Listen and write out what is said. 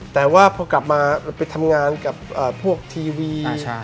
แต่ว่าพอกลับมาไปทำงานกับพวกทีวี